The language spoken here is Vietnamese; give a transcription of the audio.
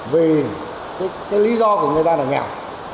vì cái lý do của người ta là nghèo